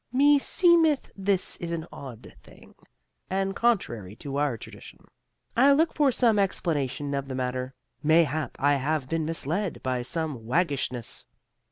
Meseemeth this is an odd thing and contrary to our tradition. I look for some explanation of the matter. Mayhap I have been misled by some waggishness.